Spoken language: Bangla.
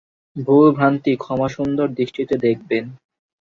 ভুলভ্রান্তি ক্ষমাসুন্দর দৃষ্টিতে দেখবেন।